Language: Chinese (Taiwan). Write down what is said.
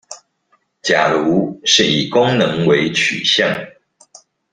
假如是以功能為取向